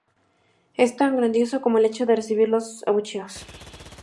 Es tan grandioso como el hecho de recibir los abucheos.